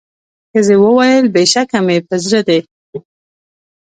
ښځي وویل بېشکه مي په زړه دي